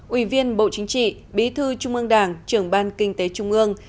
ủy viên bộ chính trị bí thư trung ương đảng trưởng ban kinh tế trung ương